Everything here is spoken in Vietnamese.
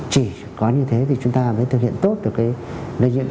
chỉ có như thế thì chúng ta mới thực hiện tốt được cái lợi nhiệm chéo